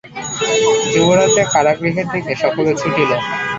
যুবরাজের কারাগৃহের দিকে সকলে ছুটিল।